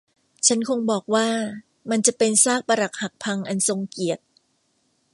ฉันคงบอกว่ามันจะเป็นซากปรักหักพังอันทรงเกียรติ